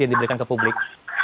yang diberikan ke publik